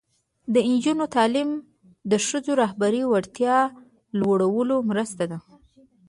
د نجونو تعلیم د ښځو رهبري وړتیا لوړولو مرسته ده.